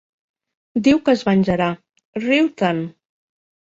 Diu que es venjarà: riu-te'n.